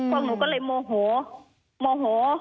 พวกหนูก็เลยโมโหโมโห